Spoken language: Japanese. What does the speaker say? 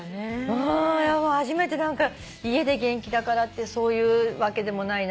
初めて何か家で元気だからってそういうわけでもないなって。